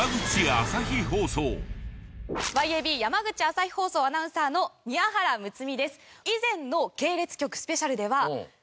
ｙａｂ山口朝日放送アナウンサーの宮原睦実です。